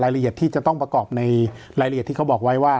รายละเอียดที่จะวางเมื่อโดยสะไปด้วย